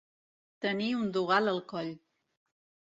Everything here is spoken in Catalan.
Tenir un dogal al coll.